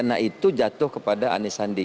karena itu jatuh kepada anies sandi